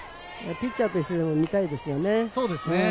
ピッチャーとしても見たいですよね。